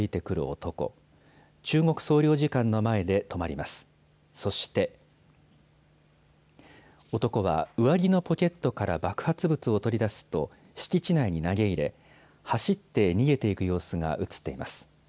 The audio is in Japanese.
男は上着のポケットから爆発物を取り出すと、敷地内に投げ入れ、走って逃げていく様子が写っています。